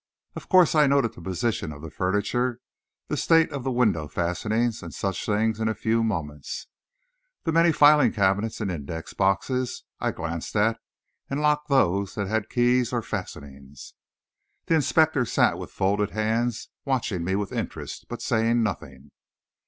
Of course I noted the position of the furniture, the state of the window fastenings, and such things in a few moments. The many filing cabinets and indexed boxes, I glanced at, and locked those that had keys or fastenings. The inspector sat with folded hands watching me with interest but saying nothing.